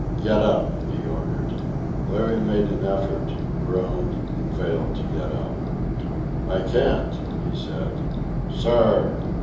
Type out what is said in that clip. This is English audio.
"Get up," he ordered. Larry made an effort, groaned, and failed to get up. "I can't," he said. "Sir!"